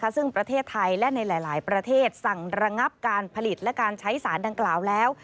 ซึ่งประเทศไทยและในหลายประเทศสั่งระงับการผลิตและการใช้สารดังกล่าวแล้ว